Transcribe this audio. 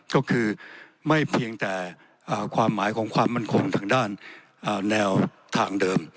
ก็คือไม่เพียงแต่ความหมายของความมั่นคงทางด้านแนวทางเดิม